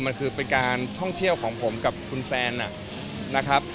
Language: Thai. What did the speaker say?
มันคือเป็นการท่องเที่ยวของผมกับคุณแซนนะครับ